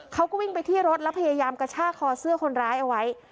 เขาก็วิ่งไปที่รถแล้วพยายามกระชากคอเสื้อคนร้ายเอาไว้